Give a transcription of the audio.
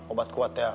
obat kuat ya